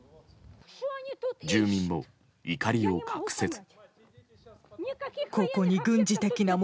住民も怒りを隠せず。